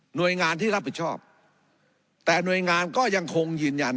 โดยงานที่รับผิดชอบแต่หน่วยงานก็ยังคงยืนยัน